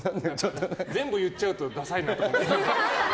全部言っちゃうとダサいなって。